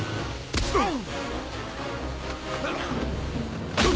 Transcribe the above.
あっ！